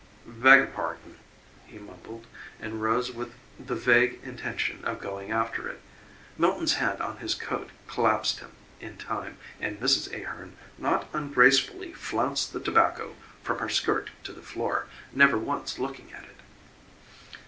"Beg pardon," he mumbled, and rose with the vague intention of going after it. Milton's hand on his coat collapsed him in time, and Mrs. Ahearn not ungracefully flounced the tobacco from her skirt to the floor, never once looking at it.